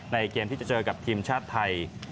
เกมที่จะเจอกับทีมชาติไทย